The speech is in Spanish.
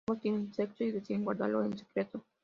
Ambos tienen sexo y deciden guardarlo en secreto.